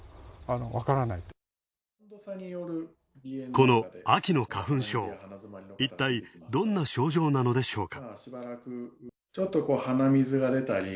この秋の花粉症、いったい、どんな症状なのでしょうか。